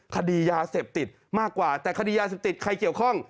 คดียาเสพติดมากกว่าแต่คดียาเสพติดใครเกี่ยวข้อง